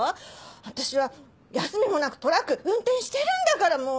私は休みもなくトラック運転してるんだからもう。